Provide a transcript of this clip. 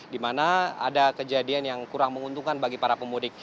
di mana ada kejadian yang kurang menguntungkan